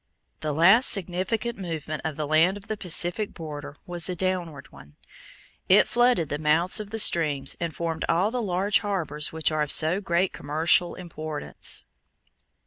The last significant movement of the land of the Pacific border was a downward one. It flooded the mouths of the streams and formed all the large harbors which are of so great commercial importance.